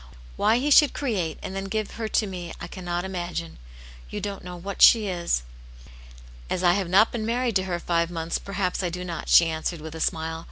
Why He should create and then give her to me, I cannot imagine. You don't know what she is." "As I have not been married to her five months, perhaps I do not," she answered, with a smile.